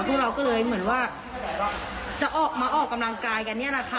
พวกเราก็เลยเหมือนว่าจะออกมาออกกำลังกายกันเนี่ยนะคะ